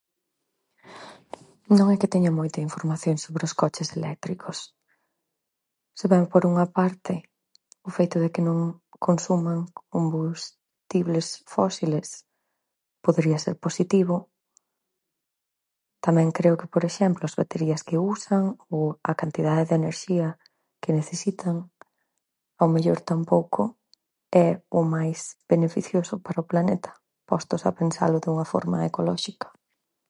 Non é que teña moita información sobre os coches eléctricos. Se ben, por unha parte, o feito de que non consuman combustibles fósiles podría ser positivo, tamén creo que, por exemplo, as baterías que usan o a cantidade de enerxía que necesitan ao mellor tampouco é o máis beneficioso para o planeta, postos a pensalo dunha forma ecolóxica.